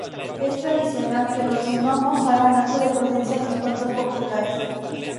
Es tradicional que los gnomos hagan acto de presencia en los cuentos populares.